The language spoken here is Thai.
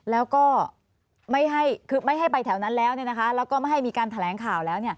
แล้วก็ไม่ให้ไปแถวนั้นแล้วแล้วก็ไม่ให้มีการแถลงข่าวแล้ว